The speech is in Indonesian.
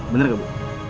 bener gak bu